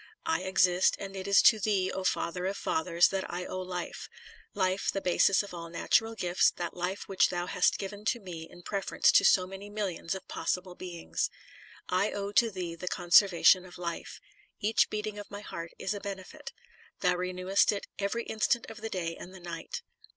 I exist, and it is to Thee, O Father of fathers, that I owe life; life the basis of all natural gifts, that life which thou hast given to me in preference to so many millions of possible beings. I owe to thee the conservation of life. Each beat ing of my heart is a benefit. Thou renewest it every instant of the day and the night.